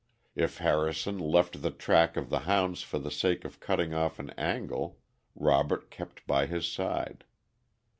If Harrison left the track of the hounds for the sake of cutting off an angle, Robert kept by his side.